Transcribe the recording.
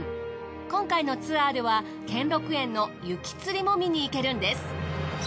今回のツアーでは兼六園の雪吊りも見に行けるんです。